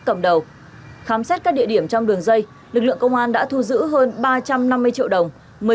cầm đầu khám xét các địa điểm trong đường dây lực lượng công an đã thu giữ hơn ba trăm năm mươi triệu đồng một mươi sáu